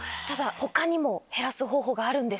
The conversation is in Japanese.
他にも減らす方法があるんです